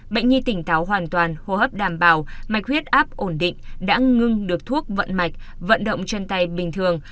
bệnh nhi tỉnh táo hoàn toàn hô hấp đảm bảo mạch huyết áp ổn định đã ngưng được thuốc vận mạch vận động chân tay bình thường